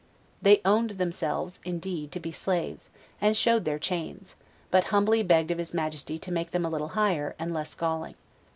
They owned themselves, indeed, to be slaves, and showed their chains: but humbly begged of his Majesty to make them a little lighter, and less galling.